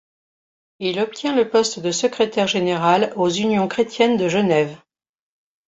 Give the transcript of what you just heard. Il obtient le poste de secrétaire général aux Unions Chrétiennes de Genève.